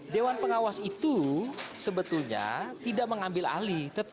dewan pengawas itu sebetulnya tidak mengambil alih